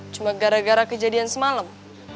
cuma gara gara kejadian semalam